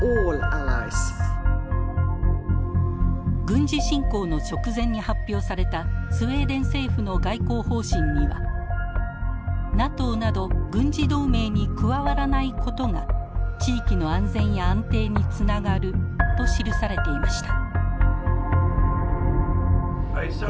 軍事侵攻の直前に発表されたスウェーデン政府の外交方針には「ＮＡＴＯなど軍事同盟に加わらないことが地域の安全や安定につながる」と記されていました。